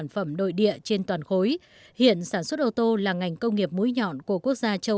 sản phẩm nội địa trên toàn khối hiện sản xuất ô tô là ngành công nghiệp mũi nhọn của quốc gia châu